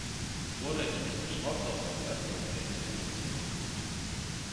Toreiz misters Mortons bija atļauju devis nevilcinoties.